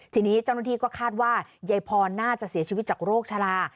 ทีนี้เจ้าหน้าที่ก็คาดว่ายายพรน่าจะเสียชีวิตจากโรคชะลา